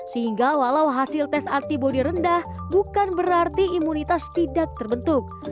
sehingga walau hasil tes antibody rendah bukan berarti imunitas tidak terbentuk